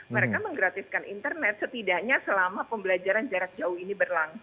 mereka menggratiskan internet setidaknya selama pembelajaran jarak jauh ini berlangsung